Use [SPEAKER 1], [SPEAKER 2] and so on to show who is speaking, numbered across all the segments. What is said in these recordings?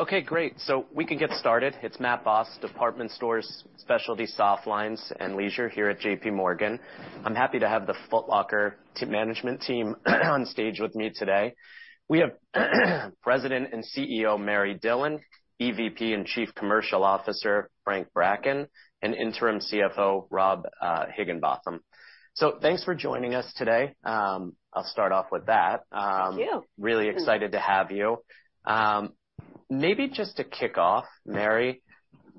[SPEAKER 1] Okay, great. We can get started. It's Matt Boss, Department Stores, Specialty Soft Lines, and Leisure here at J.P. Morgan. I'm happy to have the Foot Locker management team on stage with me today. We have President and CEO, Mary Dillon, EVP and Chief Commercial Officer, Frank Bracken, and Interim CFO, Rob Higginbotham. Thanks for joining us today. I'll start off with that.
[SPEAKER 2] Thank you.
[SPEAKER 1] Really excited to have you. Maybe just to kick off, Mary,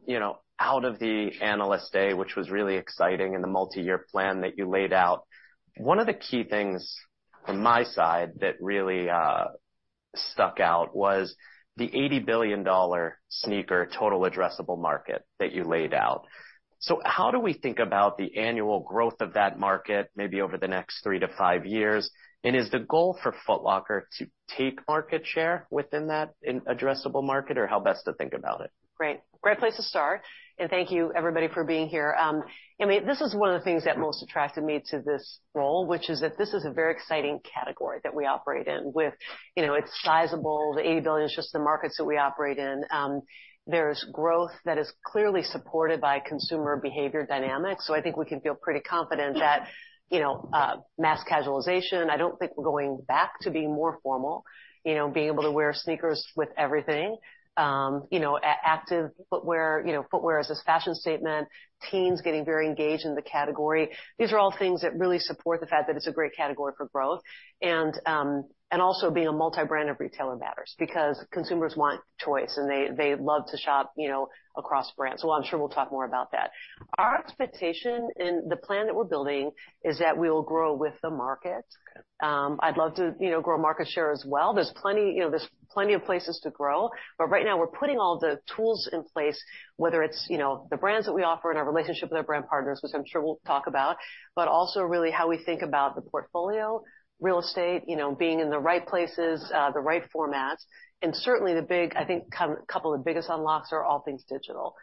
[SPEAKER 1] you know, out of the analyst day, which was really exciting and the multi-year plan that you laid out, one of the key things from my side that really stuck out was the $80 billion sneaker total addressable market that you laid out. How do we think about the annual growth of that market, maybe over the next 3-5 years? Is the goal for Foot Locker to take market share within that in addressable market, or how best to think about it?
[SPEAKER 2] Great. Great place to start. Thank you, everybody, for being here. I mean, this is one of the things that most attracted me to this role, which is that this is a very exciting category that we operate in with, you know, it's sizable. The $80 billion is just the markets that we operate in. There's growth that is clearly supported by consumer behavior dynamics. I think we can feel pretty confident that, you know, mass casualization, I don't think we're going back to being more formal, you know, being able to wear sneakers with everything, you know, active footwear, you know, footwear as this fashion statement, teens getting very engaged in the category. These are all things that really support the fact that it's a great category for growth. Also being a multi-brand of retailer matters because consumers want choice and they love to shop, you know, across brands. I'm sure we'll talk more about that. Our expectation in the plan that we're building is that we will grow with the market. I'd love to, you know, grow market share as well. There's plenty, you know, there's plenty of places to grow, but right now we're putting all the tools in place, whether it's, you know, the brands that we offer and our relationship with our brand partners, which I'm sure we'll talk about, but also really how we think about the portfolio, real estate, you know, being in the right places, the right formats, and certainly the big, I think, couple of biggest unlocks are all things digital.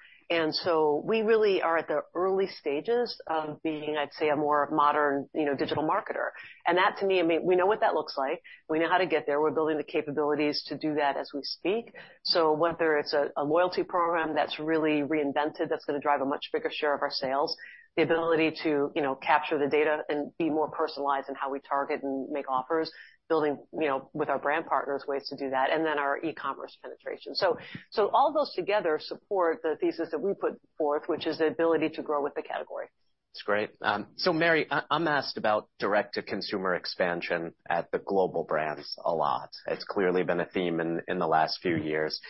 [SPEAKER 2] We really are at the early stages of being, I'd say, a more modern, you know, digital marketer. That to me, I mean, we know what that looks like. We know how to get there. We're building the capabilities to do that as we speak. Whether it's a loyalty program that's really reinvented, that's gonna drive a much bigger share of our sales, the ability to, you know, capture the data and be more personalized in how we target and make offers, building, you know, with our brand partners, ways to do that, and then our e-commerce penetration. All those together support the thesis that we put forth, which is the ability to grow with the category.
[SPEAKER 1] That's great. Mary, I'm asked about direct-to-consumer expansion at the global brands a lot. It's clearly been a theme in the last few years.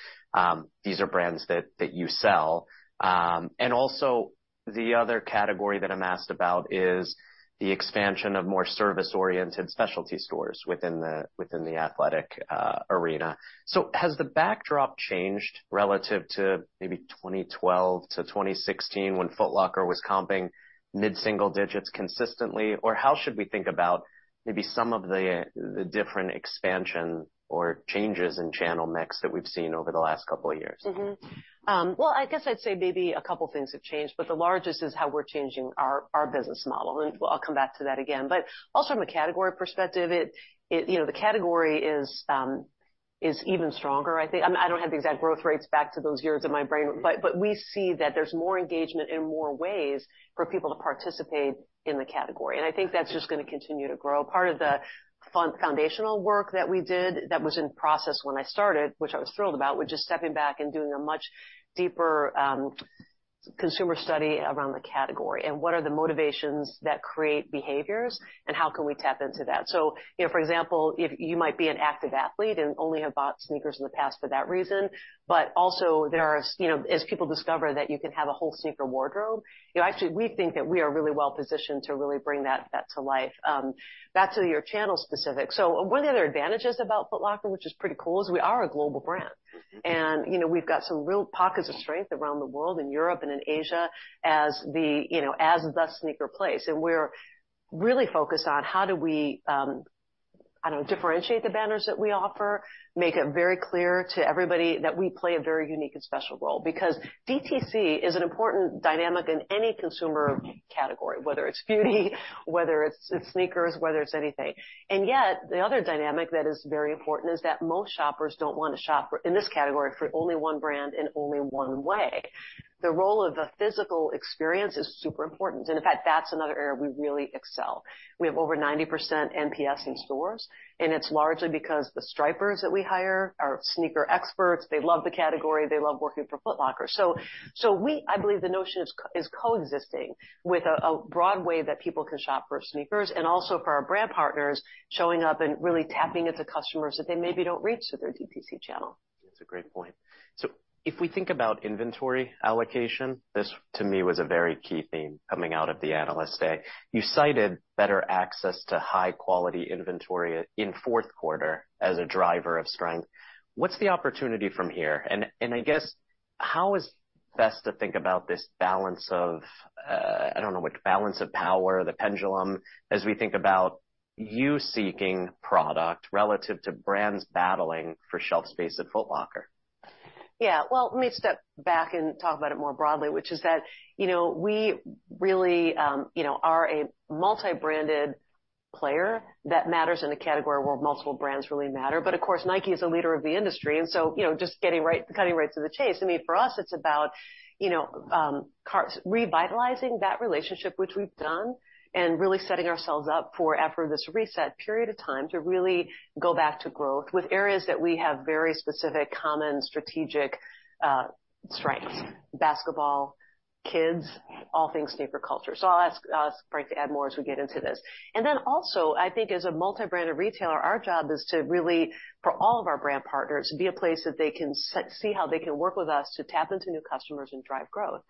[SPEAKER 1] These are brands that you sell. Also the other category that I'm asked about is the expansion of more service-oriented specialty stores within the athletic arena. Has the backdrop changed relative to maybe 2012- 2016 when Foot Locker was comping mid-single digits consistently? How should we think about maybe some of the different expansion or changes in channel mix that we've seen over the last couple of years?
[SPEAKER 2] Well, I guess I'd say maybe a couple things have changed, but the largest is how we're changing our business model, and well, I'll come back to that again. Also from a category perspective, it, you know, the category is even stronger, I think. I don't have the exact growth rates back to those years in my brain, but we see that there's more engagement and more ways for people to participate in the category. I think that's just gonna continue to grow. Part of the foundational work that we did that was in process when I started, which I was thrilled about, was just stepping back and doing a much deeper consumer study around the category and what are the motivations that create behaviors and how can we tap into that. You know, for example, if you might be an active athlete and only have bought sneakers in the past for that reason, but also there are, you know, as people discover that you can have a whole sneaker wardrobe, you know, actually, we think that we are really well positioned to really bring that to life. Back to your channel specific. One of the other advantages about Foot Locker, which is pretty cool, is we are a global brand. You know, we've got some real pockets of strength around the world in Europe and in Asia as the, you know, as the sneaker place. We're really focused on how do we, I don't know, differentiate the banners that we offer, make it very clear to everybody that we play a very unique and special role. DTC is an important dynamic in any consumer category, whether it's beauty, whether it's sneakers, whether it's anything. Yet, the other dynamic that is very important is that most shoppers don't wanna shop in this category for only one brand in only one way. The role of the physical experience is super important. In fact, that's another area we really excel. We have over 90% NPS in stores, and it's largely because the Stripers that we hire are sneaker experts. They love the category. They love working for Foot Locker. We I believe the notion is coexisting with a broad way that people can shop for sneakers and also for our brand partners showing up and really tapping into customers that they maybe don't reach through their DTC channel.
[SPEAKER 1] That's a great point. If we think about inventory allocation, this to me was a very key theme coming out of the Analyst Day. You cited better access to high quality inventory in fourth quarter as a driver of strength. What's the opportunity from here? I guess, how is best to think about this balance of, I don't know what, balance of power, the pendulum, as we think about you seeking product relative to brands battling for shelf space at Foot Locker?
[SPEAKER 2] Yeah. Well, let me step back and talk about it more broadly, which is that, you know, we really, you know, are a multi-branded player that matters in a category where multiple brands really matter. Of course, Nike is a leader of the industry. You know, just cutting right to the chase, I mean, for us, it's about, you know, revitalizing that relationship, which we've done, and really setting ourselves up for after this reset period of time to really go back to growth with areas that we have very specific common strategic strengths, basketball, kids, all things sneaker culture. I'll ask, Frank to add more as we get into this. I think as a multi-branded retailer, our job is to really, for all of our brand partners, be a place that they can see how they can work with us to tap into new customers and drive growth.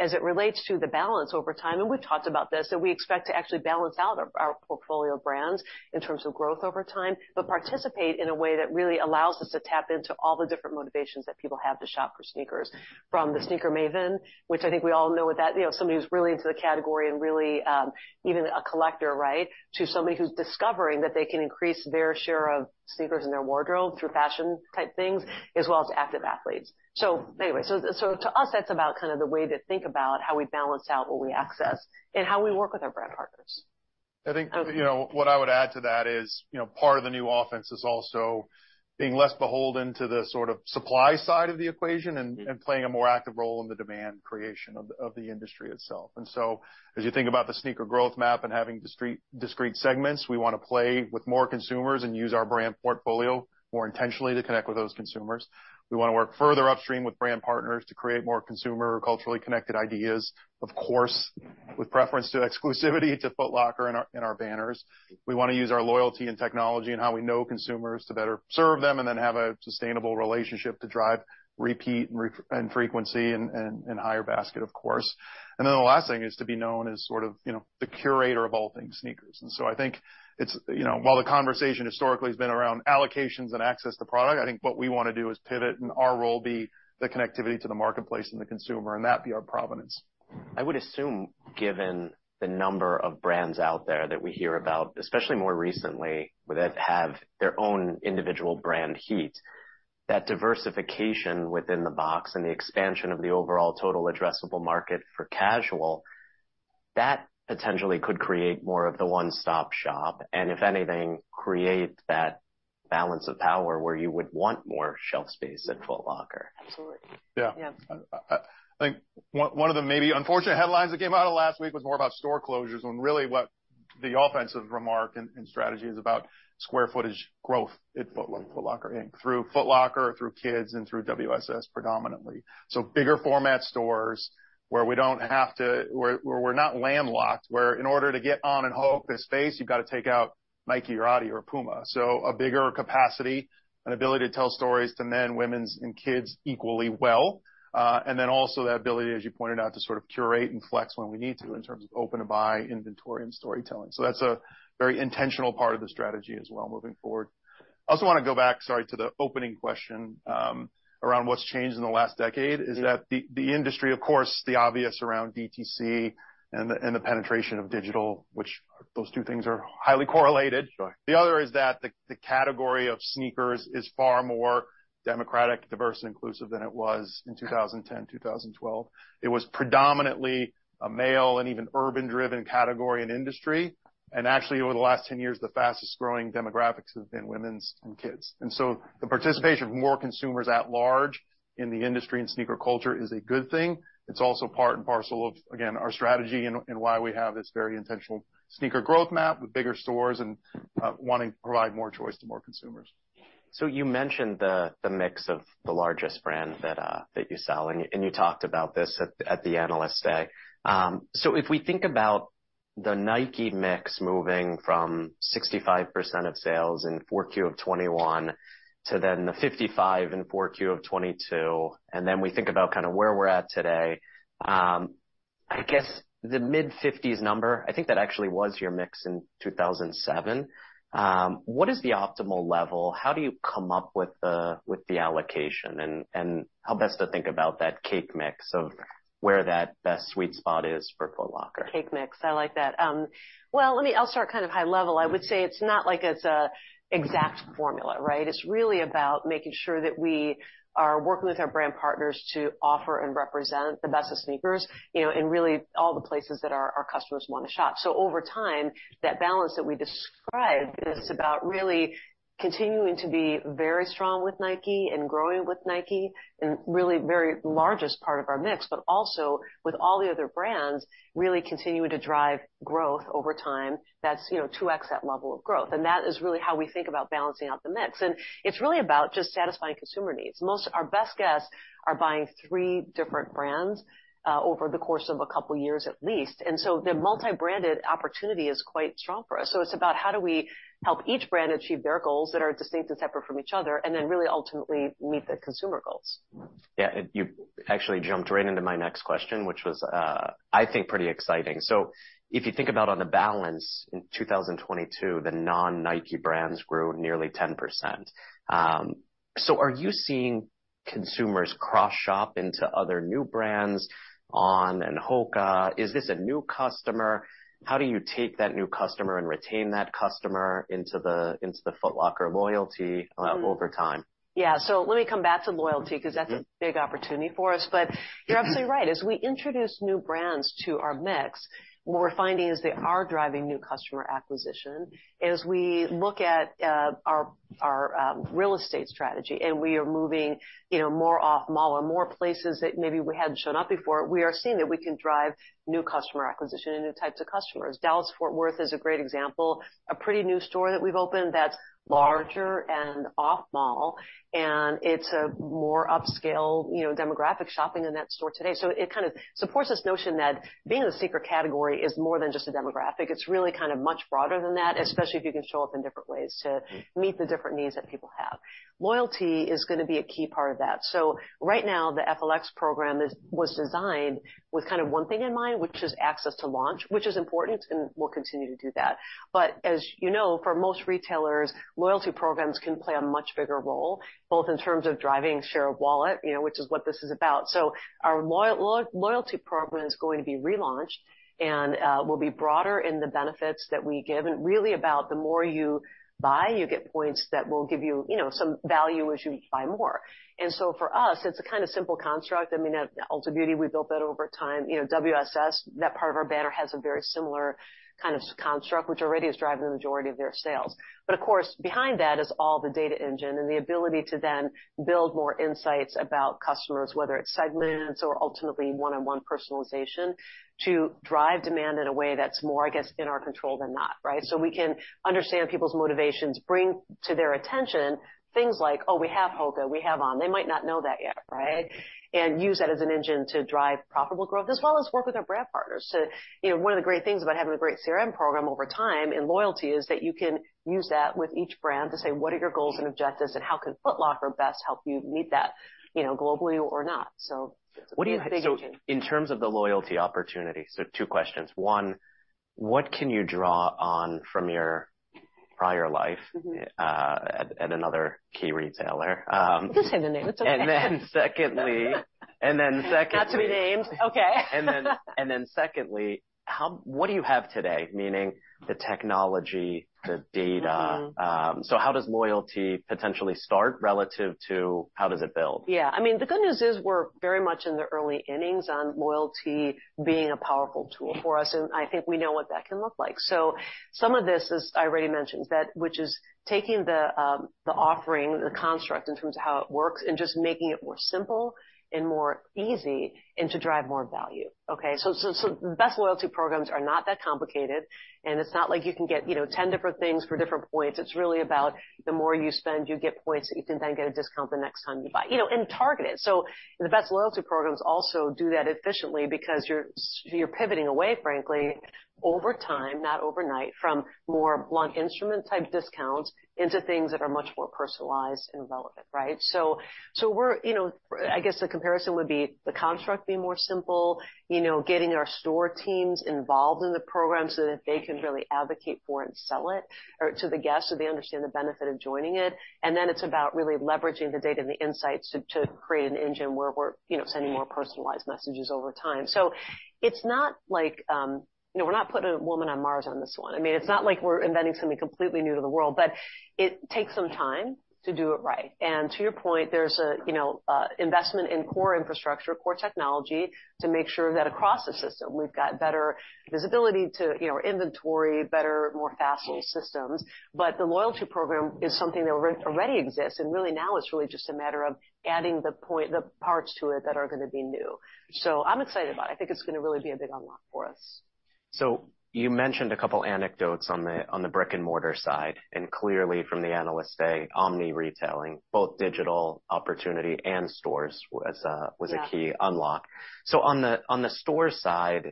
[SPEAKER 2] As it relates to the balance over time, and we've talked about this, that we expect to actually balance out our portfolio brands in terms of growth over time, but participate in a way that really allows us to tap into all the different motivations that people have to shop for sneakers from the sneaker maven, which I think we all know. You know, somebody who's really into the category and really, even a collector, right? To somebody who's discovering that they can increase their share of sneakers in their wardrobe through fashion type things, as well as active athletes. Anyway, to us, that's about kind of the way to think about how we balance out what we access and how we work with our brand partners.
[SPEAKER 3] I think, you know, what I would add to that is, you know, part of the new offense is also being less beholden to the sort of supply side of the equation and playing a more active role in the demand creation of the industry itself. As you think about the Sneaker Growth Map and having discrete segments, we wanna play with more consumers and use our brand portfolio more intentionally to connect with those consumers. We wanna work further upstream with brand partners to create more consumer culturally connected ideas, of course, with preference to exclusivity to Foot Locker and our banners. We wanna use our loyalty and technology and how we know consumers to better serve them and then have a sustainable relationship to drive repeat and frequency and higher basket, of course. The last thing is to be known as sort of, you know, the curator of all things sneakers. I think it's, you know, while the conversation historically has been around allocations and access to product, I think what we wanna do is pivot and our role be the connectivity to the marketplace and the consumer, and that be our provenance.
[SPEAKER 1] I would assume, given the number of brands out there that we hear about, especially more recently, that have their own individual brand heat, that diversification within the box and the expansion of the overall total addressable market for casual, that potentially could create more of the one-stop shop, and if anything, create that balance of power where you would want more shelf space at Foot Locker.
[SPEAKER 2] Absolutely.
[SPEAKER 3] Yeah.
[SPEAKER 2] Yeah.
[SPEAKER 3] One of the maybe unfortunate headlines that came out of last week was more about store closures when really what the offensive remark and strategy is about square footage growth at Foot Locker, Foot Locker, Inc. Through Foot Locker, through Kids and through WSS predominantly. Bigger format stores where we don't have to... Where we're not landlocked, where in order to get On and HOKA space, you've got to take out Nike or Adi or Puma. A bigger capacity, an ability to tell stories to men, women and kids equally well. And then also the ability, as you pointed out, to sort of curate and flex when we need to in terms of open to buy inventory and storytelling. That's a very intentional part of the strategy as well moving forward. I also wanna go back, sorry, to the opening question, around what's changed in the last decade is that the industry, of course, the obvious around DTC and the penetration of digital, which those two things are highly correlated.
[SPEAKER 1] Sure.
[SPEAKER 3] The other is that the category of sneakers is far more democratic, diverse and inclusive than it was in 2010, 2012. It was predominantly a male and even urban-driven category and industry. Actually, over the last 10 years, the fastest-growing demographics have been women's and kids. So the participation from more consumers at large in the industry and sneaker culture is a good thing. It's also part and parcel of, again, our strategy and why we have this very intentional Sneaker Growth Map with bigger stores and wanting to provide more choice to more consumers.
[SPEAKER 1] You mentioned the mix of the largest brand that you sell, and you talked about this at the Analyst Day. If we think about the Nike mix moving from 65% of sales in 4Q of 2021 to the 55 in 4Q of 2022, then we think about kinda where we are at today, I guess the mid-50s number, I think that actually was your mix in 2007. What is the optimal level? How do you come up with the allocation? How best to think about that cake mix of where that best sweet spot is for Foot Locker?
[SPEAKER 2] Cake mix. I like that. Well, I'll start kind of high level. I would say it's not like it's a exact formula, right? It's really about making sure that we are working with our brand partners to offer and represent the best of sneakers, you know, in really all the places that our customers wanna shop. Over time, that balance that we described is about really continuing to be very strong with Nike and growing with Nike and really very largest part of our mix, but also with all the other brands really continuing to drive growth over time. That's, you know, 2x that level of growth. That is really how we think about balancing out the mix. It's really about just satisfying consumer needs. Most... Our best guests are buyingthree different brands, over the course of a couple of years, at least. The multi-branded opportunity is quite strong for us. It's about how do we help each brand achieve their goals that are distinct and separate from each other, and then really ultimately meet the consumer goals.
[SPEAKER 1] Yeah. You actually jumped right into my next question, which was, I think pretty exciting. If you think about on the balance in 2022, the non-Nike brands grew nearly 10%. Are you seeing consumers cross shop into other new brands On and HOKA? Is this a new customer? How do you take that new customer and retain that customer into the, into the Foot Locker loyalty, over time?
[SPEAKER 2] Yeah. Let me come back to loyalty because that's a big opportunity for us. You're absolutely right. As we introduce new brands to our mix, what we're finding is they are driving new customer acquisition. As we look at our real estate strategy, we are moving, you know, more off mall or more places that maybe we hadn't shown up before, we are seeing that we can drive new customer acquisition and new types of customers. Dallas-Fort Worth is a great example, a pretty new store that we've opened that's larger and off mall, and it's a more upscale, you know, demographic shopping in that store today. It kind of supports this notion that being in the sneaker category is more than just a demographic. It's really kind of much broader than that, especially if you can show up in different ways to meet the different needs that people have. Loyalty is gonna be a key part of that. Right now, the FLX program was designed with kind of one thing in mind, which is access to launch, which is important, and we'll continue to do that. As you know, for most retailers, loyalty programs can play a much bigger role, both in terms of driving share of wallet, you know, which is what this is about. Our loyalty program is going to be relaunched. Will be broader in the benefits that we give, and really about the more you buy, you get points that will give you know, some value as you buy more. For us, it's a kinda simple construct. I mean, at Ulta Beauty, we built that over time. You know, WSS, that part of our banner has a very similar kind of construct, which already is driving the majority of their sales. Of course, behind that is all the data engine and the ability to then build more insights about customers, whether it's segments or ultimately one-on-one personalization, to drive demand in a way that's more, I guess, in our control than not, right? We can understand people's motivations, bring to their attention things like, oh, we have HOKA, we have On. They might not know that yet, right? Use that as an engine to drive profitable growth, as well as work with our brand partners to... You know, one of the great things about having a great CRM program over time and loyalty is that you can use that with each brand to say, what are your goals and objectives, and how can Foot Locker best help you meet that, you know, globally or not? It's a big engine.
[SPEAKER 1] In terms of the loyalty opportunity, so two questions. one, what can you draw on from your prior life at another key retailer?
[SPEAKER 2] Just say the name. It's okay.
[SPEAKER 1] Then secondly.
[SPEAKER 2] Not to be named. Okay.
[SPEAKER 1] secondly, what do you have today? Meaning the technology, the data.
[SPEAKER 2] Mm-hmm.
[SPEAKER 1] How does loyalty potentially start relative to how does it build?
[SPEAKER 2] Yeah. I mean, the good news is we're very much in the early innings on loyalty being a powerful tool for us, and I think we know what that can look like. Some of this, as I already mentioned, that which is taking the offering, the construct in terms of how it works, and just making it more simple and more easy and to drive more value, okay. The best loyalty programs are not that complicated, and it's not like you can get, you know, 10 different things for different points. It's really about the more you spend, you get points, that you can then get a discount the next time you buy. You know, targeted. The best loyalty programs also do that efficiently because you're pivoting away, frankly, over time, not overnight, from more blunt instrument type discounts into things that are much more personalized and relevant, right? We're, you know. I guess the comparison would be the construct being more simple, you know, getting our store teams involved in the program so that they can really advocate for and sell it or to the guests, so they understand the benefit of joining it. Then it's about really leveraging the data and the insights to create an engine where we're, you know, sending more personalized messages over time. It's not like, you know, we're not putting a woman on Mars on this one. I mean, it's not like we're inventing something completely new to the world, but it takes some time to do it right. To your point, there's a, you know, investment in core infrastructure, core technology to make sure that across the system, we've got better visibility to, you know, our inventory, better, more facile systems. The loyalty program is something that already exists, and really now it's really just a matter of adding the parts to it that are gonna be new. I'm excited about it. I think it's gonna really be a big unlock for us.
[SPEAKER 1] You mentioned a couple anecdotes on the, on the brick-and-mortar side, and clearly from the analyst day, omni-retailing, both digital opportunity and stores was a key unlock.
[SPEAKER 2] Yeah.
[SPEAKER 1] On the store side,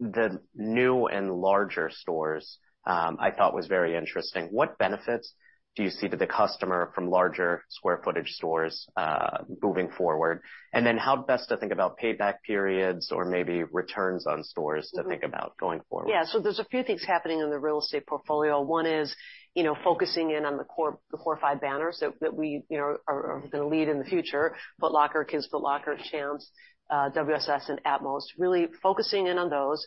[SPEAKER 1] the new and larger stores, I thought was very interesting. What benefits do you see to the customer from larger square footage stores, moving forward? How best to think about payback periods or maybe returns on stores to think about going forward?
[SPEAKER 2] Yeah. There's a few things happening in the real estate portfolio. One is, you know, focusing in on the core, the core five banners that we, you know, are gonna lead in the future, Foot Locker, Kids Foot Locker, Champs, WSS, and atmos, really focusing in on those.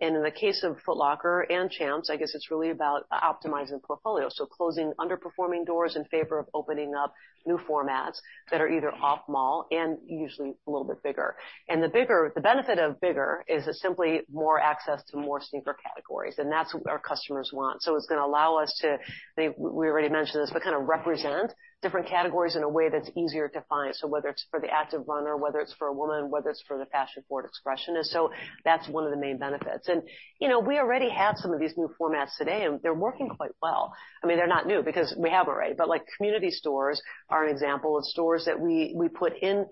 [SPEAKER 2] In the case of Foot Locker and Champs, I guess it's really about optimizing portfolio, so closing underperforming doors in favor of opening up new formats that are either off-mall and usually a little bit bigger. The bigger, the benefit of bigger is simply more access to more sneaker categories, and that's what our customers want. It's gonna allow us to, I think we already mentioned this, but kinda represent different categories in a way that's easier to find. Whether it's for the active runner, whether it's for a woman, whether it's for the fashion-forward expressionist, so that's one of the main benefits. You know, we already have some of these new formats today, and they're working quite well. I mean, they're not new because we have array, but like community stores are an example of stores that we put in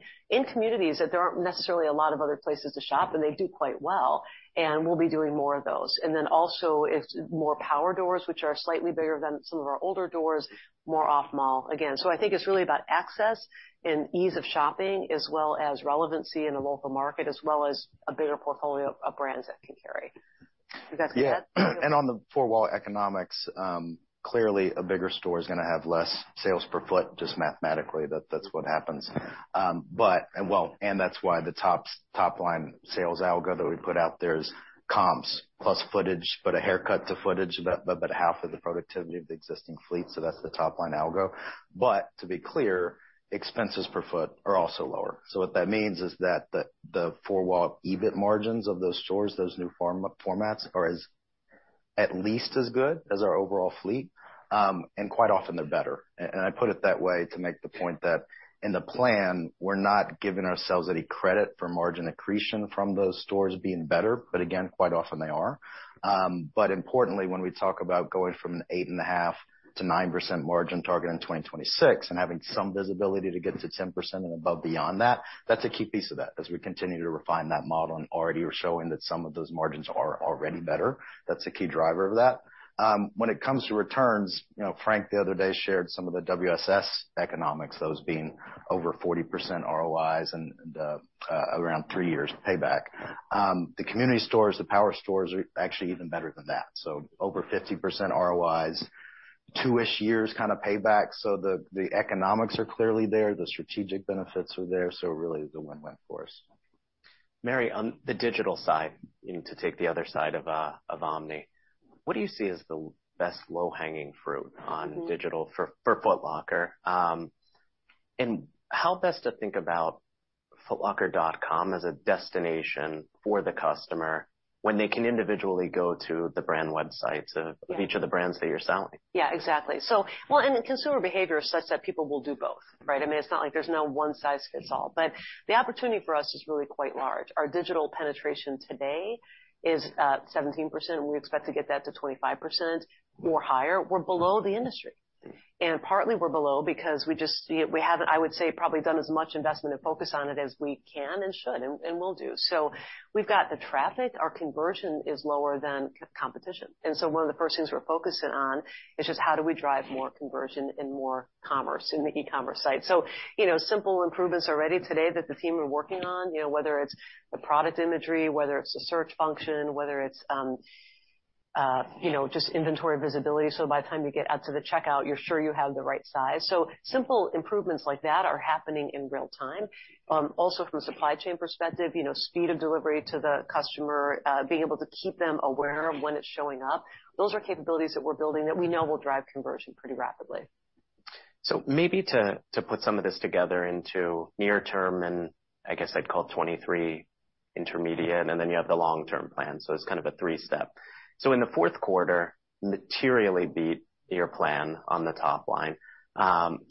[SPEAKER 2] communities that there aren't necessarily a lot of other places to shop, and they do quite well, and we'll be doing more of those. Also it's more power doors, which are slightly bigger than some of our older doors, more off-mall. Again, so I think it's really about access and ease of shopping as well as relevancy in the local market, as well as a bigger portfolio of brands that we carry. Does that make sense?
[SPEAKER 4] Yeah. On the four-wall economics, clearly a bigger store is gonna have less sales per foot, just mathematically that's what happens. Well, that's why the top-line sales algo that we put out there is comps plus footage, but a haircut to footage about half of the productivity of the existing fleet, so that's the top-line algo. To be clear, expenses per foot are also lower. What that means is that the four-wall EBIT margins of those stores, those new form-formats, are as at least as good as our overall fleet, and quite often they're better. I put it that way to make the point that in the plan, we're not giving ourselves any credit for margin accretion from those stores being better, but again, quite often they are. Importantly, when we talk about going from 8.5%-9% margin target in 2026 and having some visibility to get to 10% and above beyond that's a key piece of that as we continue to refine that model and already we're showing that some of those margins are already better. That's a key driver of that. When it comes to returns, you know, Frank the other day shared some of the WSS economics, those being over 40% ROIs and around three years payback. The community stores, the Power Stores are actually even better than that, so over 50% ROIs, two-ish years kinda payback. The economics are clearly there, the strategic benefits are there, so really the win-win for us.
[SPEAKER 1] Mary, on the digital side, you need to take the other side of Omni. What do you see as the best low-hanging fruit on digital for Foot Locker? How best to think about footlocker.com as a destination for the customer when they can individually go to the brand websites?
[SPEAKER 2] Yeah.
[SPEAKER 1] each of the brands that you're selling?
[SPEAKER 2] Yeah, exactly. Well, and consumer behavior is such that people will do both, right? I mean, it's not like there's no one size fits all, but the opportunity for us is really quite large. Our digital penetration today is 17%, we expect to get that to 25% or higher. We're below the industry. Partly we're below because we just, we haven't, I would say, probably done as much investment and focus on it as we can and should and will do. We've got the traffic. Our conversion is lower than competition. One of the first things we're focusing on is just how do we drive more conversion and more commerce in the e-commerce site? You know, simple improvements already today that the team are working on, you know, whether it's the product imagery, whether it's the search function, whether it's, you know, just inventory visibility, so by the time you get out to the checkout, you're sure you have the right size. Simple improvements like that are happening in real time. Also from a supply chain perspective, you know, speed of delivery to the customer, being able to keep them aware of when it's showing up, those are capabilities that we're building that we know will drive conversion pretty rapidly.
[SPEAKER 1] Maybe to put some of this together into near term and I guess I'd call 2023 intermediate, and then you have the long-term plan, so it's kind of a three-step. In the fourth quarter, materially beat your plan on the top line.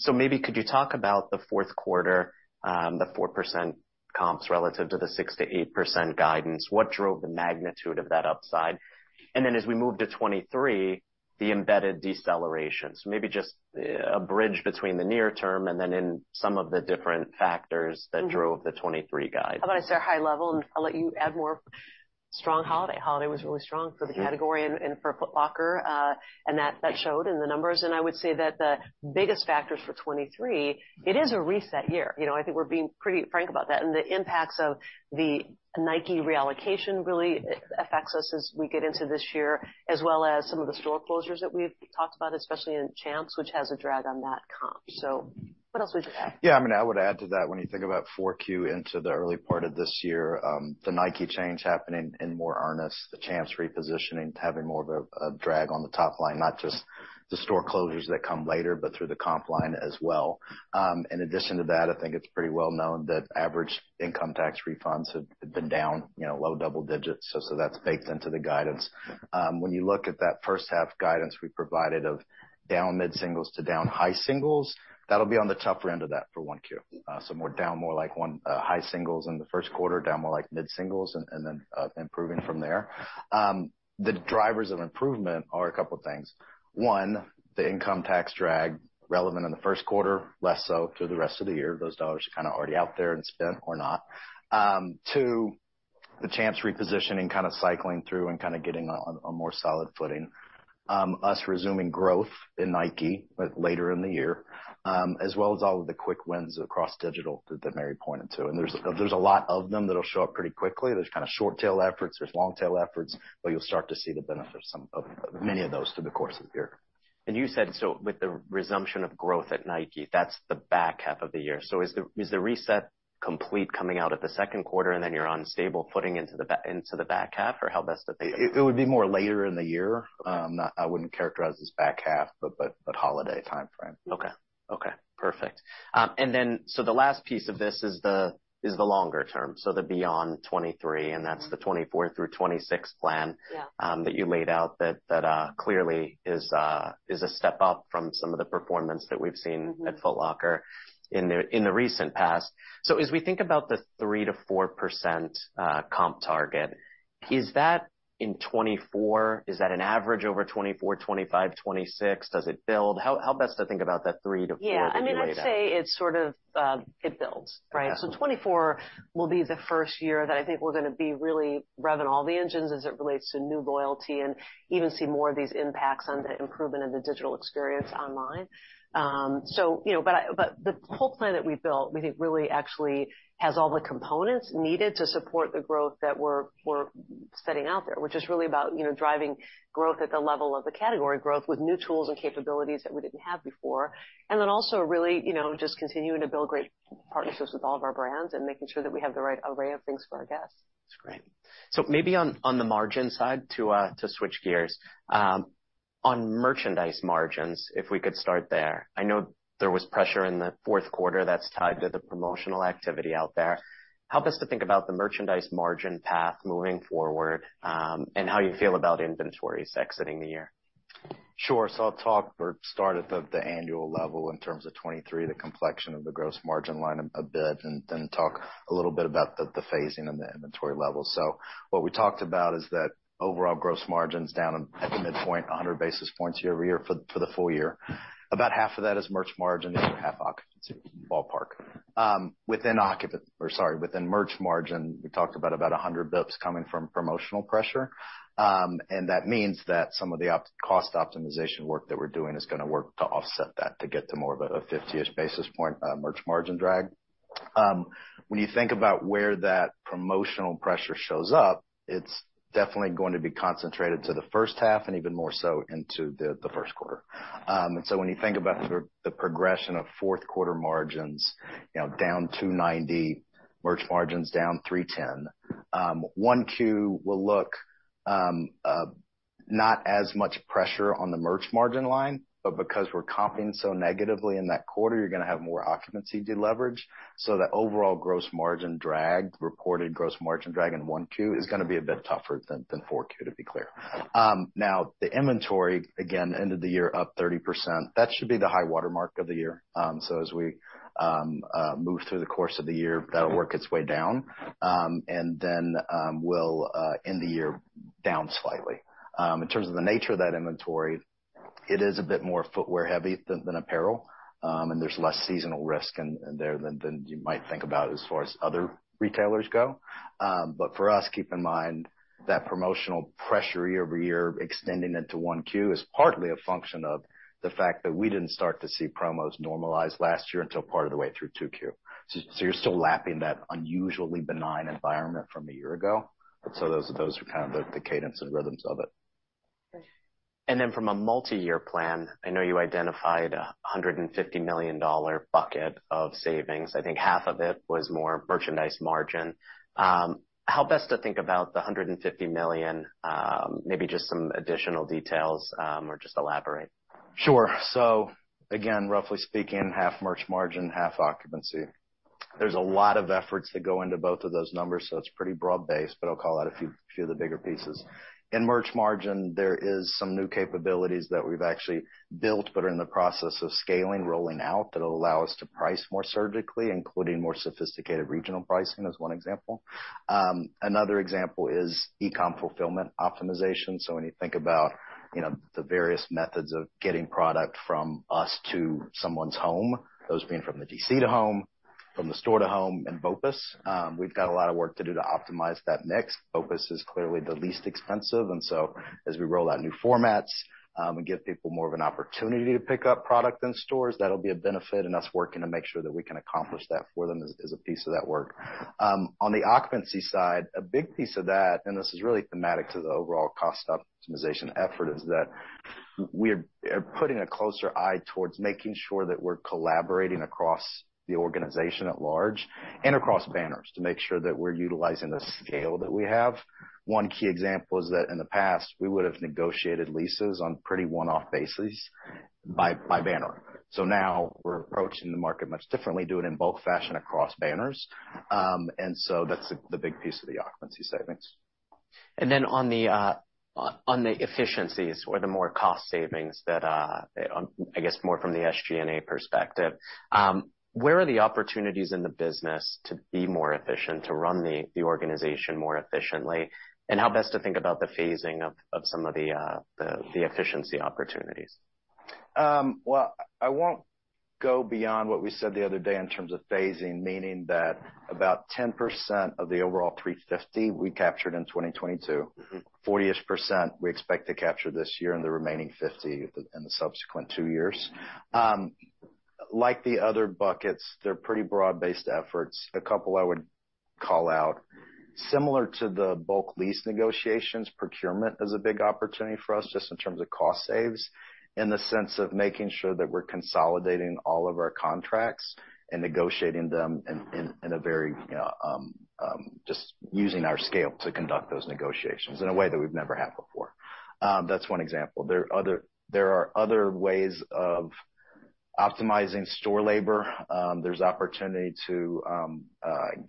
[SPEAKER 1] Maybe could you talk about the fourth quarter, the 4% comps relative to the 6%-8% guidance? What drove the magnitude of that upside? As we move to 2023, the embedded deceleration. Maybe just a bridge between the near term, and then in some of the different factors that drove the 2023 guide.
[SPEAKER 2] How about I start high level, and I'll let you add more. Strong holiday. Holiday was really strong for the category and for Foot Locker, and that showed in the numbers. I would say that the biggest factors for 23, it is a reset year. You know, I think we're being pretty frank about that. The impacts of the Nike reallocation really affects us as we get into this year, as well as some of the store closures that we've talked about, especially in Champs, which has a drag on that comp. What else would you add?
[SPEAKER 4] Yeah, I mean, I would add to that when you think about 4Q into the early part of this year, the Nike change happening in more earnest, the Champs repositioning having more of a drag on the top line, not just the store closures that come later, but through the comp line as well. In addition to that, I think it's pretty well known that average income tax refunds have been down, you know, low double digits. That's baked into the guidance. When you look at that first half guidance we provided of down mid-singles to down high singles, that'll be on the tougher end of that for 1Q. More down more like high singles in the first quarter, down more like mid-singles and then improving from there. The drivers of improvement are a couple of things. One, the income tax drag relevant in the first quarter, less so through the rest of the year. Those dollars are kinda already out there and spent or not. Two, the Champs repositioning kind of cycling through and kinda getting on a more solid footing. Us resuming growth in Nike later in the year, as well as all of the quick wins across digital that Mary pointed to. There's a lot of them that'll show up pretty quickly. There's kinda short tail efforts, there's long tail efforts, but you'll start to see the benefits of many of those through the course of the year.
[SPEAKER 1] You said, so with the resumption of growth at Nike, that's the back half of the year. Is the reset complete coming out of the second quarter and then you're on stable footing into the back half, or how best to think of that?
[SPEAKER 4] It would be more later in the year. I wouldn't characterize this back half, but holiday timeframe.
[SPEAKER 1] Okay. Okay, perfect. The last piece of this is the longer term, so the beyond 2023, and that's the 2024-2026.
[SPEAKER 2] Yeah.
[SPEAKER 1] that you laid out that clearly is is a step up from some of the performance that we've seen at Foot Locker in the in the recent past. As we think about the 3%-4% comp target, is that in 2024? Is that an average over 2024, 2025, 2026? Does it build? How, how best to think about that 3%-4% that you laid out?
[SPEAKER 2] Yeah. I mean, I'd say it's sort of, it builds, right?
[SPEAKER 1] Okay.
[SPEAKER 2] 2024 will be the first year that I think we're gonna be really revving all the engines as it relates to new loyalty and even see more of these impacts on the improvement in the digital experience online. You know, but the whole plan that we built, we think really actually has all the components needed to support the growth that we're setting out there, which is really about, you know, driving growth at the level of the category growth with new tools and capabilities that we didn't have before. Then also really, you know, just continuing to build great partnerships with all of our brands and making sure that we have the right array of things for our guests.
[SPEAKER 1] That's great. Maybe on the margin side to switch gears. On merchandise margins, if we could start there. I know there was pressure in the fourth quarter that's tied to the promotional activity out there. Help us to think about the merchandise margin path moving forward, and how you feel about inventories exiting the year.
[SPEAKER 4] I'll talk or start at the annual level in terms of 2023, the complexion of the gross margin line a bit, and then talk a little bit about the phasing and the inventory level. What we talked about is that overall gross margins down at the midpoint, 100 basis points year-over-year for the full year. About half of that is merch margin, the other half occupancy, ballpark. Within merch margin, we talked about 100 basis points coming from promotional pressure. And that means that some of the cost optimization work that we're doing is gonna work to offset that to get to more of a 50-ish basis point merch margin drag. When you think about where that promotional pressure shows up, it's definitely going to be concentrated to the first half and even more so into the first quarter. When you think about the progression of fourth quarter margins, you know, down 290, merch margins down 310, 1Q will look Not as much pressure on the merch margin line, but because we're comping so negatively in that quarter, you're gonna have more occupancy deleverage. The overall gross margin drag, reported gross margin drag in 1Q is gonna be a bit tougher than 4Q, to be clear. The inventory again, end of the year up 30%. That should be the high watermark of the year. As we move through the course of the year, that'll work its way down, and then we'll end the year down slightly. In terms of the nature of that inventory, it is a bit more footwear heavy than apparel, and there's less seasonal risk in there than you might think about as far as other retailers go. For us, keep in mind that promotional pressure year-over-year, extending into 1Q is partly a function of the fact that we didn't start to see promos normalize last year until part of the way through 2Q. You're still lapping that unusually benign environment from a year ago. Those are kind of the cadence and rhythms of it.
[SPEAKER 1] From a multi-year plan, I know you identified a $150 million bucket of savings. I think half of it was more merchandise margin. How best to think about the $150 million, maybe just some additional details, or just elaborate?
[SPEAKER 4] Sure. Again, roughly speaking, half merch margin, half occupancy. There's a lot of efforts that go into both of those numbers, so it's pretty broad-based, but I'll call out a few of the bigger pieces. In merch margin, there is some new capabilities that we've actually built but are in the process of scaling, rolling out, that'll allow us to price more surgically, including more sophisticated regional pricing, as one example. Another example is e-com fulfillment optimization. When you think about, you know, the various methods of getting product from us to someone's home, those being from the DC to home, from the store to home, and BOPUS, we've got a lot of work to do to optimize that next. BOPUS is clearly the least expensive. As we roll out new formats, and give people more of an opportunity to pick up product in stores, that'll be a benefit, and us working to make sure that we can accomplish that for them is a piece of that work. On the occupancy side, a big piece of that, and this is really thematic to the overall cost optimization effort, is that we are putting a closer eye towards making sure that we're collaborating across the organization at large and across banners to make sure that we're utilizing the scale that we have. One key example is that in the past, we would have negotiated leases on pretty one-off bases by banner. Now we're approaching the market much differently, do it in bulk fashion across banners. That's the big piece of the occupancy savings.
[SPEAKER 1] On the efficiencies or the more cost savings that I guess more from the SG&A perspective, where are the opportunities in the business to be more efficient, to run the organization more efficiently, and how best to think about the phasing of some of the efficiency opportunities?
[SPEAKER 4] Well, I won't go beyond what we said the other day in terms of phasing, meaning that about 10% of the overall $350 we captured in 2022.
[SPEAKER 1] Mm-hmm.
[SPEAKER 4] 40-ish% we expect to capture this year and the remaining 50 in the subsequent two years. Like the other buckets, they're pretty broad-based efforts. A couple I would call out, similar to the bulk lease negotiations, procurement is a big opportunity for us just in terms of cost saves, in the sense of making sure that we're consolidating all of our contracts and negotiating them. Just using our scale to conduct those negotiations in a way that we've never had before. That's one example. There are other ways of optimizing store labor. There's opportunity to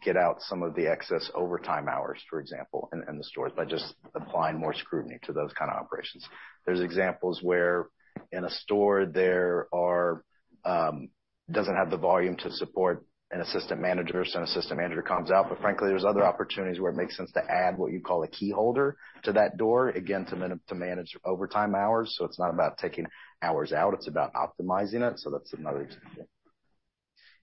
[SPEAKER 4] get out some of the excess overtime hours, for example, in the stores by just applying more scrutiny to those kind of operations. There's examples where in a store there are. Doesn't have the volume to support an assistant manager, so an assistant manager comes out. Frankly, there's other opportunities where it makes sense to add what you call a key holder to that door, again, to manage overtime hours. It's not about taking hours out, it's about optimizing it. That's another example.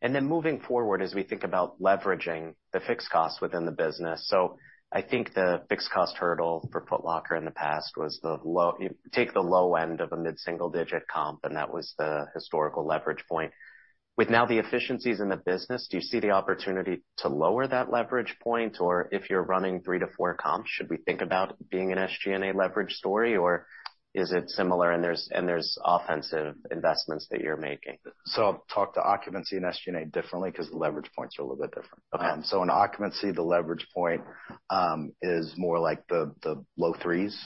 [SPEAKER 1] Then moving forward as we think about leveraging the fixed costs within the business. I think the fixed cost hurdle for Foot Locker in the past was, take the low end of a mid-single-digit comp, and that was the historical leverage point. With now the efficiencies in the business, do you see the opportunity to lower that leverage point? If you're running 3%-4% comps, should we think about being an SG&A leverage story, or is it similar and there's offensive investments that you're making?
[SPEAKER 4] I'll talk to occupancy and SG&A differently because the leverage points are a little bit different.
[SPEAKER 1] Okay.
[SPEAKER 4] In occupancy, the leverage point is more like the low threes,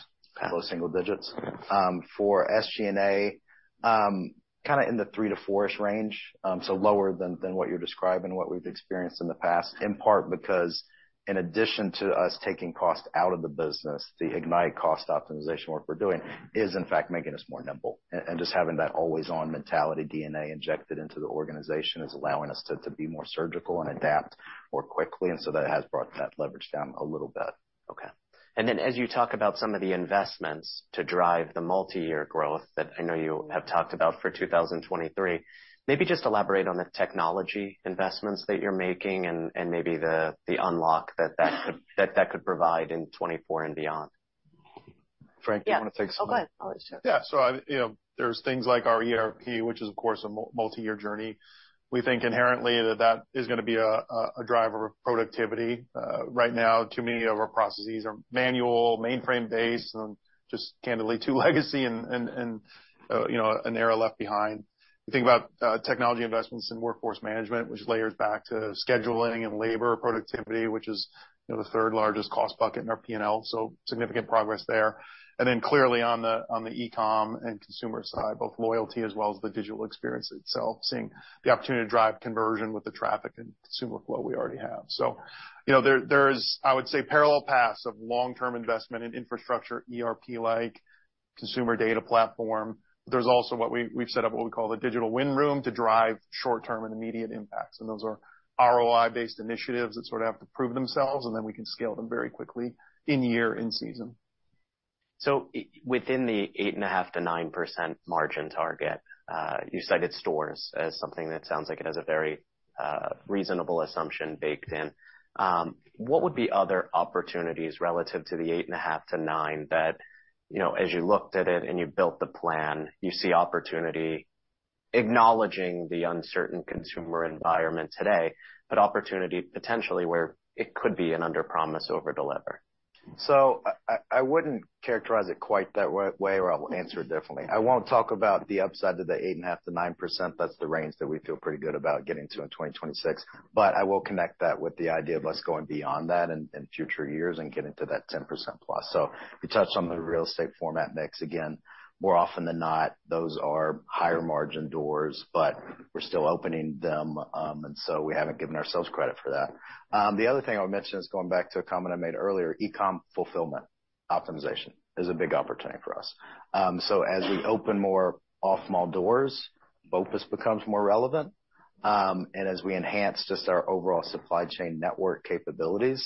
[SPEAKER 4] low single digits. For SG&A, kinda in the three to four-ish range, lower than what you're describing, what we've experienced in the past, in part because in addition to us taking cost out of the business, the IGNITE cost optimization work we're doing is, in fact, making us more nimble. Just having that always on mentality DNA injected into the organization is allowing us to be more surgical and adapt more quickly. That has brought that leverage down a little bit.
[SPEAKER 1] Okay. As you talk about some of the investments to drive the multi-year growth that I know you have talked about for 2023, maybe just elaborate on the technology investments that you're making and maybe the unlock that could provide in 2024 and beyond.
[SPEAKER 4] Frank, do you wanna take some of it?
[SPEAKER 3] Yeah. Oh, go ahead.
[SPEAKER 4] Yeah. So, you know, there's things like our ERP, which is, of course, a multi-year journey. We think inherently that that is going to be a driver of productivity. Right now, too many of our processes are manual, mainframe-based, and just candidly too legacy and, you know, an era left behind. You think about technology investments in workforce management, which layers back to scheduling and labor productivity, which is you know, the third-largest cost bucket in our P&L, so significant progress there. Clearly on the e-com and consumer side, both loyalty as well as the digital experience itself, seeing the opportunity to drive conversion with the traffic and consumer flow we already have. You know, there's, I would say, parallel paths of long-term investment in infrastructure, ERP-like consumer data platform. There's also what we've set up what we call the Digital Win Room to drive short-term and immediate impacts. Those are ROI-based initiatives that sort of have to prove themselves, and then we can scale them very quickly in year, in season.
[SPEAKER 1] Within the 8.5%-9% margin target, you cited stores as something that sounds like it has a very reasonable assumption baked in. What would be other opportunities relative to the 8.5%-9% that, you know, as you looked at it and you built the plan, you see opportunity acknowledging the uncertain consumer environment today, but opportunity potentially where it could be an underpromise, overdeliver?
[SPEAKER 4] I wouldn't characterize it quite that way, or I'll answer it differently. I won't talk about the upside to the 8.5%-9%. That's the range that we feel pretty good about getting to in 2026. I will connect that with the idea of us going beyond that in future years and getting to that 10%+. You touched on the real estate format mix. More often than not, those are higher margin doors, but we're still opening them, and so we haven't given ourselves credit for that. The other thing I'll mention is going back to a comment I made earlier, e-com fulfillment optimization is a big opportunity for us. As we open more off mall doors, BOPUS becomes more relevant. As we enhance just our overall supply chain network capabilities,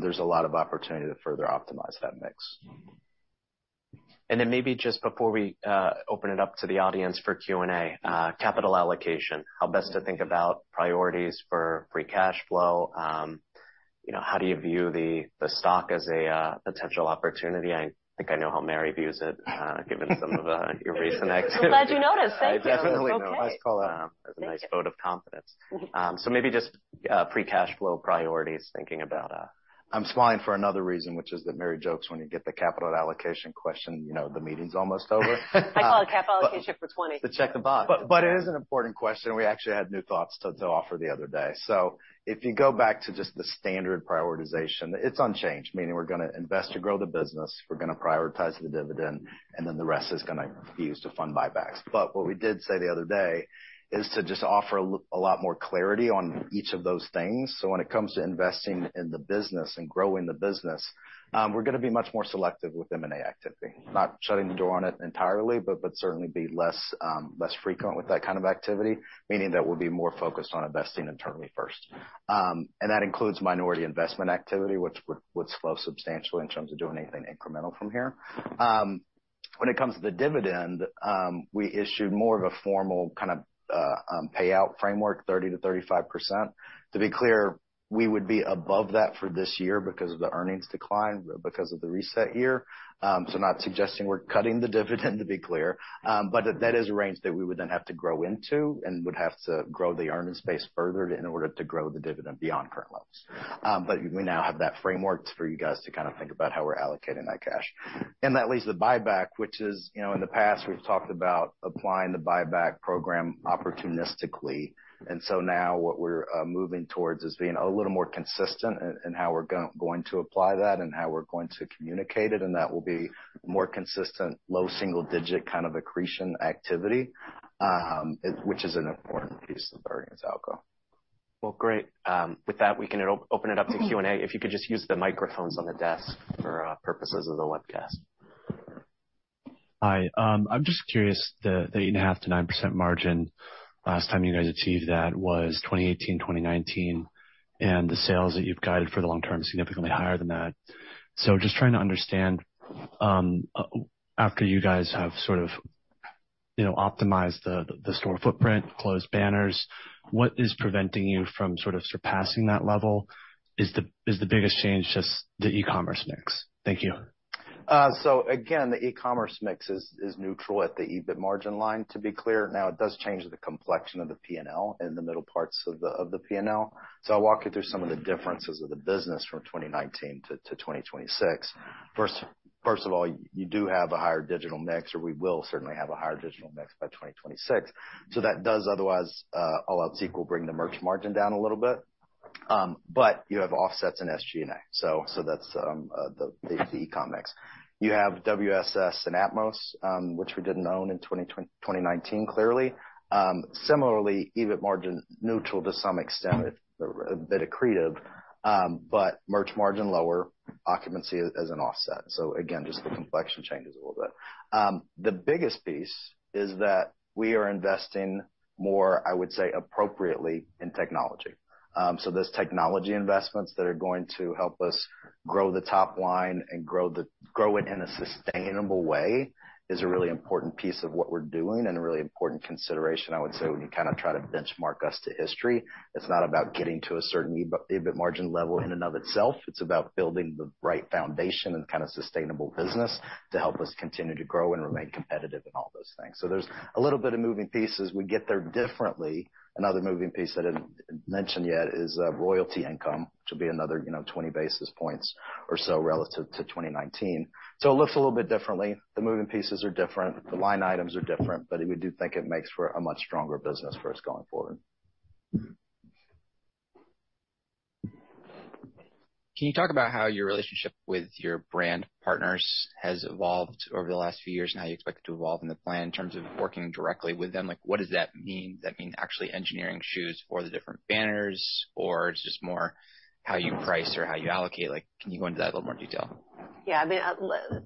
[SPEAKER 4] there's a lot of opportunity to further optimize that mix.
[SPEAKER 1] Maybe just before we open it up to the audience for Q&A, capital allocation, how best to think about priorities for free cash flow? You know, how do you view the stock as a potential opportunity? I think I know how Mary views it, given some of your recent activity.
[SPEAKER 2] I'm glad you noticed. Thank you.
[SPEAKER 4] I definitely know. Let's call that-
[SPEAKER 1] That's a nice vote of confidence. maybe just free cash flow priorities, thinking about...
[SPEAKER 4] I'm smiling for another reason, which is that Mary jokes when you get the capital allocation question, you know, the meeting's almost over.
[SPEAKER 2] I call it capital allocation for 2020.
[SPEAKER 1] To check the box.
[SPEAKER 4] It is an important question. We actually had new thoughts to offer the other day. If you go back to just the standard prioritization, it's unchanged, meaning we're gonna invest to grow the business, we're gonna prioritize the dividend, and then the rest is gonna be used to fund buybacks. What we did say the other day is to just offer a lot more clarity on each of those things. When it comes to investing in the business and growing the business, we're gonna be much more selective with M&A activity. Not shutting the door on it entirely, but certainly be less frequent with that kind of activity, meaning that we'll be more focused on investing internally first. And that includes minority investment activity, which would slow substantially in terms of doing anything incremental from here. When it comes to the dividend, we issued more of a formal kind of payout framework, 30%-35%. To be clear, we would be above that for this year because of the earnings decline, because of the reset year. Not suggesting we're cutting the dividend, to be clear. That is a range that we would then have to grow into and would have to grow the earnings base further in order to grow the dividend beyond current levels. We now have that framework for you guys to kind of think about how we're allocating that cash. That leaves the buyback, which is, you know, in the past, we've talked about applying the buyback program opportunistically. Now what we're moving towards is being a little more consistent in how we're going to apply that and how we're going to communicate it, and that will be more consistent, low single digit kind of accretion activity, which is an important piece of varying its outcome.
[SPEAKER 1] Well, great. With that, we can open it up to Q&A. If you could just use the microphones on the desk for purposes of the webcast.
[SPEAKER 5] Hi. I'm just curious, the 8.5%-9% margin, last time you guys achieved that was 2018, 2019, and the sales that you've guided for the long term is significantly higher than that. Just trying to understand, after you guys have sort of, you know, optimized the store footprint, closed banners, what is preventing you from sort of surpassing that level? Is the biggest change just the e-commerce mix? Thank you.
[SPEAKER 4] Again, the e-commerce mix is neutral at the EBIT margin line. To be clear, now it does change the complexion of the P&L in the middle parts of the P&L. I'll walk you through some of the differences of the business from 2019-2026. First of all, you do have a higher digital mix, or we will certainly have a higher digital mix by 2026. That does otherwise, all else equal, bring the merch margin down a little bit. You have offsets in SG&A. That's the e-com mix. You have WSS and Atmos, which we didn't own in 2019, clearly. Similarly, EBIT margin neutral to some extent. A bit accretive, merch margin lower, occupancy as an offset. Again, just the complexion changes a little bit. The biggest piece is that we are investing more, I would say, appropriately in technology. Those technology investments that are going to help us grow the top line and grow it in a sustainable way is a really important piece of what we're doing and a really important consideration, I would say, when you kinda try to benchmark us to history. It's not about getting to a certain EBIT margin level in and of itself. It's about building the right foundation and kind of sustainable business to help us continue to grow and remain competitive and all those things. There's a little bit of moving pieces. We get there differently. Another moving piece I didn't mention yet is, royalty income, which will be another, you know, 20 basis points or so relative to 2019. It looks a little bit differently. The moving pieces are different, the line items are different, but we do think it makes for a much stronger business for us going forward.
[SPEAKER 5] Can you talk about how your relationship with your brand partners has evolved over the last few years and how you expect it to evolve in the plan in terms of working directly with them? Like, what does that mean? Does that mean actually engineering shoes for the different banners or just more how you price or how you allocate? Like, can you go into that a little more detail?
[SPEAKER 2] Yeah. I mean,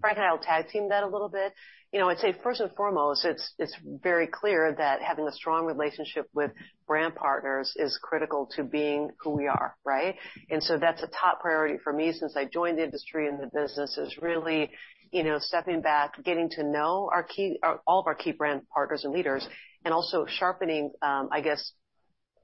[SPEAKER 2] Frank and I will tag team that a little bit. You know, I'd say first and foremost, it's very clear that having a strong relationship with brand partners is critical to being who we are, right? That's a top priority for me since I joined the industry and the business is really, you know, stepping back, getting to know all of our key brand partners and leaders, and also sharpening, I guess,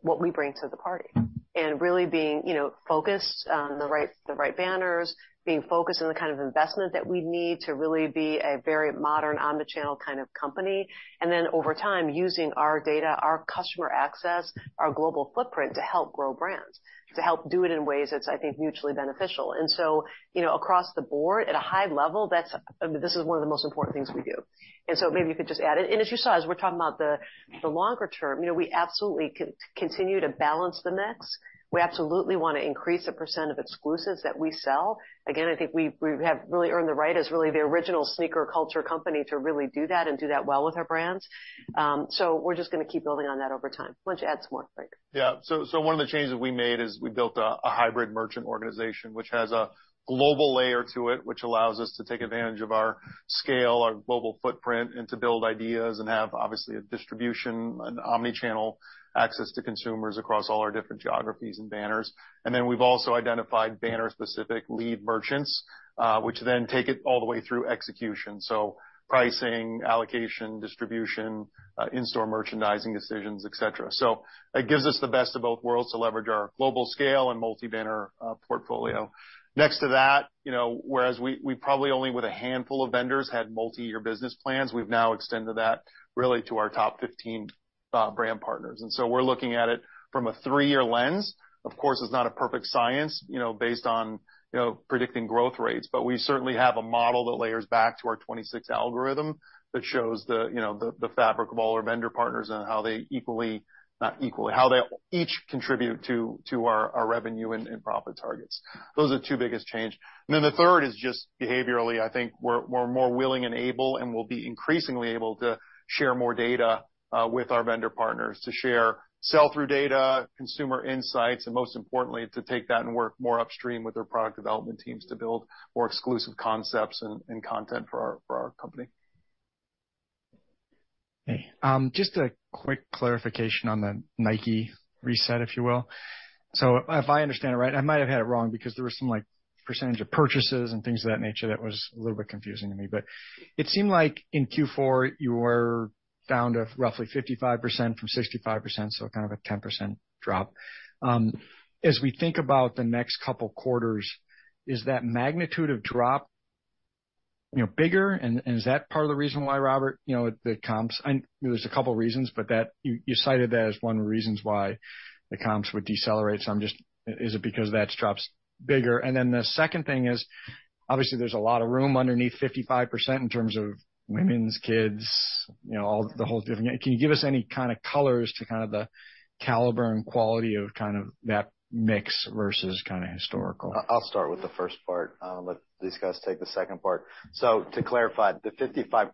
[SPEAKER 2] what we bring to the party. Really being, you know, focused on the right banners, being focused on the kind of investment that we need to really be a very modern omni-channel kind of company. Over time, using our data, our customer access, our global footprint to help grow brands, to help do it in ways that's, I think, mutually beneficial. You know, across the board at a high level, this is one of the most important things we do. Maybe you could just add in. As you saw, as we're talking about the longer term, you know, we absolutely continue to balance the mix. We absolutely wanna increase the percent of exclusives that we sell. Again, I think we have really earned the right as really the original sneaker culture company to really do that and do that well with our brands. So we're just gonna keep building on that over time. Why don't you add some more, Frank?
[SPEAKER 3] One of the changes we made is we built a hybrid merchant organization, which has a global layer to it, which allows us to take advantage of our scale, our global footprint, and to build ideas and have, obviously, a distribution and omni-channel access to consumers across all our different geographies and banners. Then we've also identified banner-specific lead merchants, which then take it all the way through execution, so pricing, allocation, distribution, in-store merchandising decisions, et cetera. It gives us the best of both worlds to leverage our global scale and multi-banner portfolio. Next to that, you know, whereas we probably only with a handful of vendors had multi-year business plans, we've now extended that really to our top 15 brand partners. We're looking at it from a three-year lens. Of course, it's not a perfect science, you know, based on, you know, predicting growth rates, but we certainly have a model that layers back to our 26 algorithm that shows the, you know, the fabric of all our vendor partners and how they equally... Not equally, how they each contribute to our revenue and profit targets. Those are the two biggest change. The third is just behaviorally, I think we're more willing and able, and we'll be increasingly able to share more data with our vendor partners to share sell-through data, consumer insights, and most importantly, to take that and work more upstream with their product development teams to build more exclusive concepts and content for our, for our company.
[SPEAKER 5] Hey. Just a quick clarification on the Nike reset, if you will. If I understand it right, I might have had it wrong because there was some, like, percent of purchases and things of that nature that was a little bit confusing to me. It seemed like in Q4, you were down to roughly 55% from 65%, so kind of a 10% drop. As we think about the next couple quarters, is that magnitude of drop, you know, bigger? Is that part of the reason why, Robert, you know, the comps? There's a couple of reasons, but that you cited that as one of the reasons why the comps would decelerate. Is it because that drop's bigger? The second thing is, obviously, there's a lot of room underneath 55% in terms of women's, kids, you know, all the whole different... Can you give us any kinda colors to kinda the caliber and quality of kind of that mix versus kinda historical?
[SPEAKER 4] I'll start with the first part. I'll let these guys take the second part. To clarify, the 55%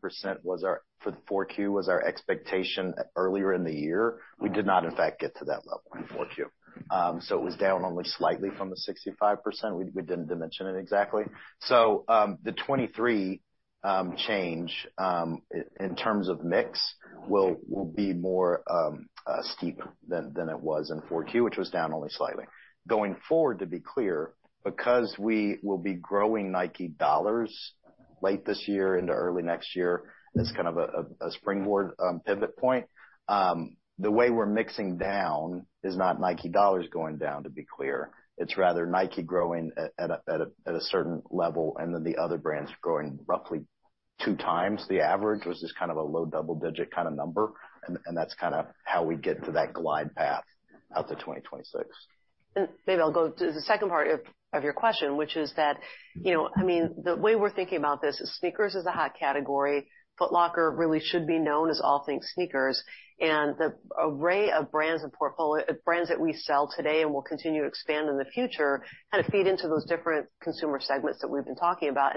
[SPEAKER 4] for the 4Q was our expectation earlier in the year. We did not, in fact, get to that level in 4Q. It was down only slightly from the 65%. We didn't dimension it exactly. The 23 change in terms of mix will be more steep than it was in 4Q, which was down only slightly. Going forward, to be clear, because we will be growing Nike dollars late this year into early next year as kind of a springboard pivot point, the way we're mixing down is not Nike dollars going down, to be clear. It's rather Nike growing at a certain level, and then the other brands growing roughly 2x the average, which is kind of a low double-digit kind of number, and that's kind of how we get to that glide path out to 2026.
[SPEAKER 2] Maybe I'll go to the second part of your question, which is that, you know, I mean, the way we're thinking about this is sneakers is a hot category. Foot Locker really should be known as all things sneakers. The array of brands and brands that we sell today and will continue to expand in the future kinda feed into those different consumer segments that we've been talking about.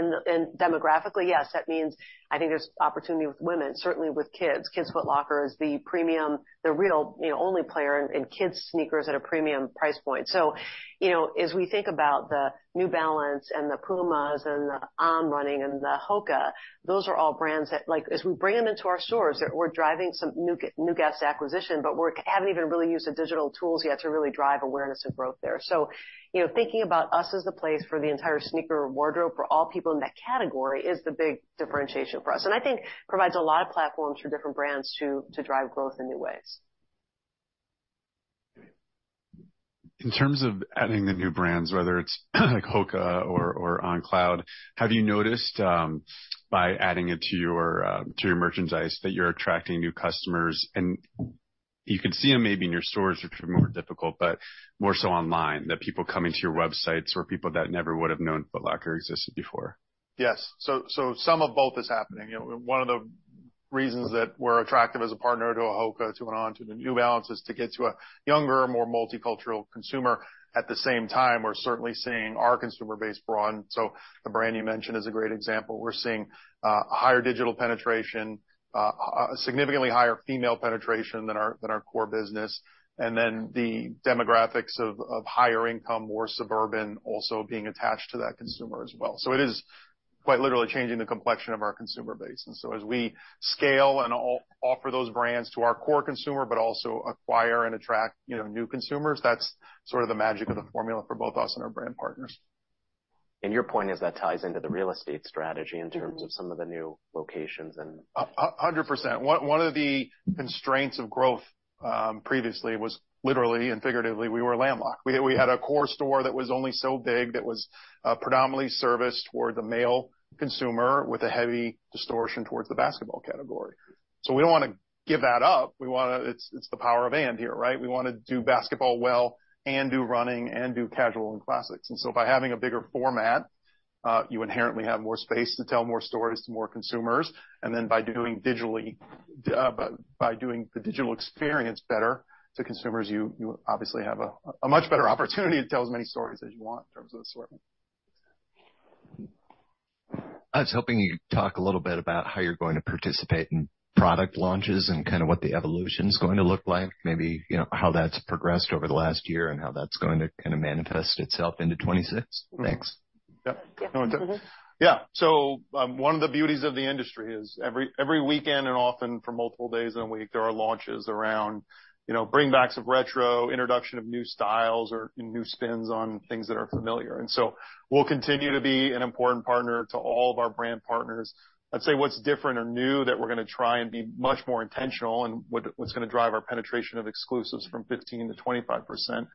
[SPEAKER 2] Demographically, yes, that means I think there's opportunity with women, certainly with kids. Kids Foot Locker is the premium, the real, you know, only player in kids sneakers at a premium price point. You know, as we think about the New Balance and the Pumas and the On Running and the HOKA, those are all brands that, like, as we bring them into our stores, we're driving some new guest acquisition, but we haven't even really used the digital tools yet to really drive awareness and growth there. You know, thinking about us as the place for the entire sneaker wardrobe for all people in that category is the big differentiation for us, and I think provides a lot of platforms for different brands to drive growth in new ways.
[SPEAKER 3] Okay.
[SPEAKER 5] In terms of adding the new brands, whether it's like HOKA or On Cloud, have you noticed, by adding it to your merchandise, that you're attracting new customers? You could see them maybe in your stores, which are more difficult, but more so online, that people coming to your websites or people that never would have known Foot Locker existed before.
[SPEAKER 3] Yes. Some of both is happening. You know, one of the-
[SPEAKER 2] Reasons that we're attractive as a partner to HOKA to went on to the New Balance is to get to a younger, more multicultural consumer. At the same time, we're certainly seeing our consumer base broaden. The brand you mentioned is a great example. We're seeing higher digital penetration, a significantly higher female penetration than our core business, and then the demographics of higher income, more suburban also being attached to that consumer as well. It is quite literally changing the complexion of our consumer base. As we scale and offer those brands to our core consumer, but also acquire and attract, you know, new consumers, that's sort of the magic of the formula for both us and our brand partners.
[SPEAKER 1] Your point is that ties into the real estate strategy in terms of some of the new locations and...
[SPEAKER 2] A 100%. One of the constraints of growth previously was literally and figuratively, we were landlocked. We had a core store that was only so big that was predominantly serviced toward the male consumer with a heavy distortion towards the basketball category. We don't wanna give that up. We wanna. It's the power of and here, right? We wanna do basketball well and do running and do casual and classics. By having a bigger format, you inherently have more space to tell more stories to more consumers. By doing digitally, by doing the digital experience better to consumers, you obviously have a much better opportunity to tell as many stories as you want in terms of assortment.
[SPEAKER 5] I was hoping you could talk a little bit about how you're going to participate in product launches and kinda what the evolution is going to look like? Maybe, you know, how that's progressed over the last year and how that's going to kinda manifest itself into 2026? Thanks.
[SPEAKER 2] Yeah. One of the beauties of the industry is every weekend, and often for multiple days in a week, there are launches around, you know, bring backs of retro, introduction of new styles or, you know, new spins on things that are familiar. We'll continue to be an important partner to all of our brand partners. I'd say what's different or new that we're gonna try and be much more intentional on what's gonna drive our penetration of exclusives from 15%-25%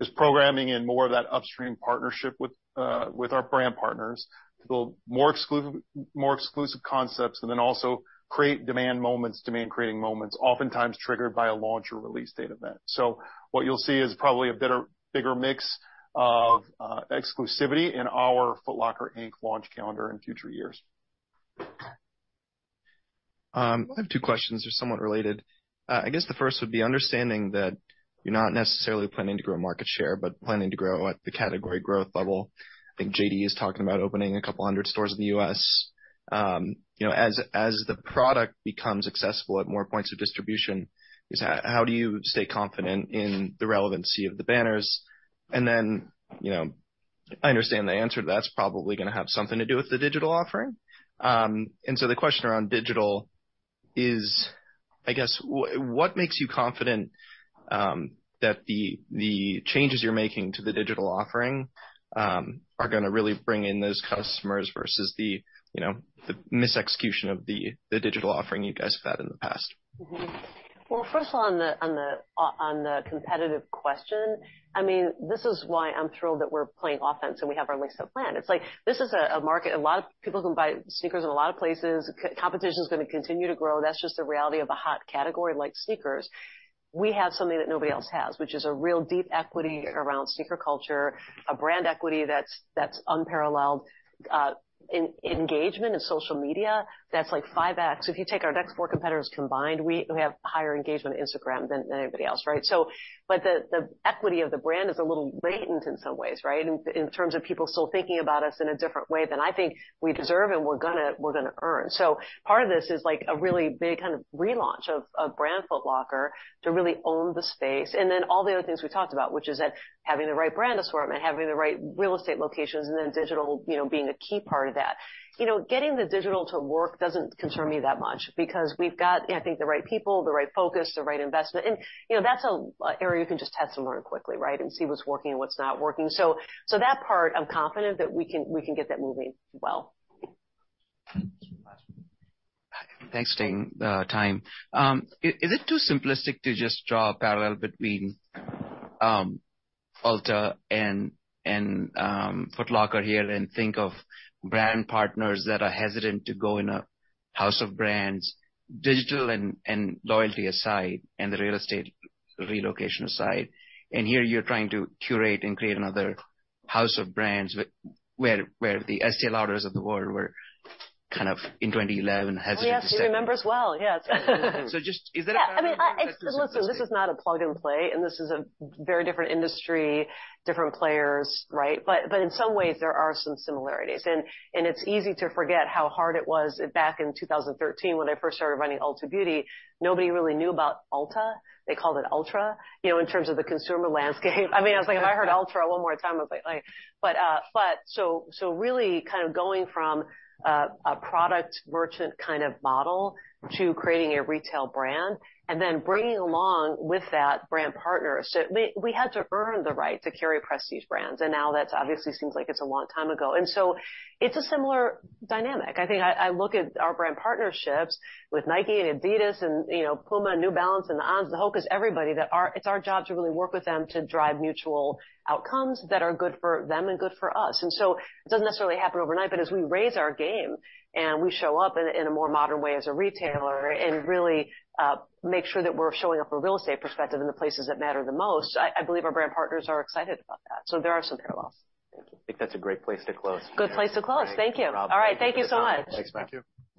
[SPEAKER 2] is programming in more of that upstream partnership with our brand partners to build more exclusive concepts and then also create demand moments, demand creating moments, oftentimes triggered by a launch or release date event. What you'll see is probably a better, bigger mix of exclusivity in our Foot Locker, Inc. launch calendar in future years.
[SPEAKER 5] I have two questions. They're somewhat related. I guess the first would be understanding that you're not necessarily planning to grow market share, but planning to grow at the category growth level. I think JD is talking about opening a couple hundred stores in the U.S. You know, as the product becomes accessible at more points of distribution, how do you stay confident in the relevancy of the banners? You know, I understand the answer to that's probably gonna have something to do with the digital offering. The question around digital is, I guess, what makes you confident that the changes you're making to the digital offering are gonna really bring in those customers versus the, you know, the misexecution of the digital offering you guys have had in the past?
[SPEAKER 2] Well, first on the competitive question, I mean, this is why I'm thrilled that we're playing offense. We have our links to plan. It's like this is a market. A lot of people can buy sneakers in a lot of places. Competition's gonna continue to grow. That's just the reality of a hot category like sneakers. We have something that nobody else has, which is a real deep equity around sneaker culture, a brand equity that's unparalleled, engagement in social media that's like 5x. If you take our next four competitors combined, we have higher engagement on Instagram than anybody else, right? The equity of the brand is a little latent in some ways, right, in terms of people still thinking about us in a different way than I think we deserve and we're gonna earn. Part of this is like a really big kind of relaunch of brand Foot Locker to really own the space. All the other things we talked about, which is that having the right brand assortment, having the right real estate locations and then digital, you know, being a key part of that. You know, getting the digital to work doesn't concern me that much because we've got, I think, the right people, the right focus, the right investment. You know, that's an area you can just test and learn quickly, right, and see what's working and what's not working. That part I'm confident that we can get that moving well.
[SPEAKER 1] Last one.
[SPEAKER 5] Thanks for taking time. Is it too simplistic to just draw a parallel between Ulta and Foot Locker here and think of brand partners that are hesitant to go in a house of brands, digital and loyalty aside, and the real estate relocation aside. Here you're trying to curate and create another house of brands where the Estée Lauders of the world were kind of in 2011 hesitant to step in.
[SPEAKER 2] Oh, yes. You remember as well. Yeah, it's good.
[SPEAKER 5] Just is that a parallel that's too simplistic?
[SPEAKER 2] Yeah. I mean, listen, this is not a plug and play, and this is a very different industry, different players, right? In some ways there are some similarities and it's easy to forget how hard it was back in 2013 when I first started running Ulta Beauty. Nobody really knew about Ulta. They called it Ultra, you know, in terms of the consumer landscape. I mean, I was like, if I heard Ultra one more time, I was like. So really kind of going from a product merchant kind of model to creating a retail brand and then bringing along with that brand partners. We had to earn the right to carry prestige brands, and now that obviously seems like it's a long time ago. It's a similar dynamic. I think I look at our brand partnerships with Nike and adidas and, you know, Puma, New Balance and the Ons, the HOKAs, everybody that our... It's our job to really work with them to drive mutual outcomes that are good for them and good for us. It doesn't necessarily happen overnight, but as we raise our game and we show up in a, in a more modern way as a retailer and really make sure that we're showing up from a real estate perspective in the places that matter the most, I believe our brand partners are excited about that. There are some parallels.
[SPEAKER 5] Thank you.
[SPEAKER 1] I think that's a great place to close.
[SPEAKER 2] Good place to close. Thank you.
[SPEAKER 1] Thanks, Rob.
[SPEAKER 2] All right. Thank you so much.
[SPEAKER 1] Thanks, Matt.
[SPEAKER 5] Thank you.